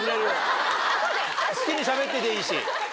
好きに喋ってていいし。